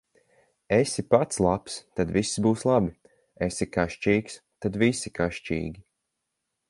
Esi pats labs, tad visi būs labi; esi kašķīgs, tad visi kašķīgi.